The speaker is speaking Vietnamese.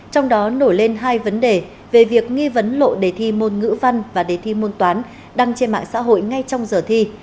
trong đó nổi lên hai vấn đề về việc nghi vấn lộ đề thi môn ngữ văn và đề thi môn toán đăng trên mạng xã hội ngay trong giờ thi